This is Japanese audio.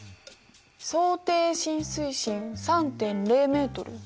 「想定浸水深３．０ｍ」。